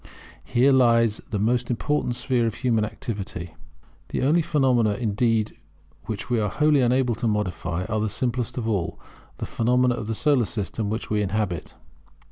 Here lies the most important sphere of human activity. The only phenomena, indeed, which we are wholly unable to modify are the simplest of all, the phenomena of the Solar System which we inhabit.